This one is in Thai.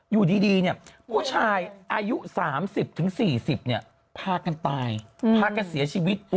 อยู่ดีผู้ชายอายุ๓๐๔๐ผ้ากันตายผ้ากันเสียชีวิต